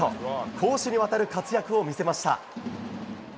攻守にわたる活躍を見せました。